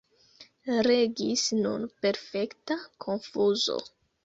Regis nun perfekta konfuzo.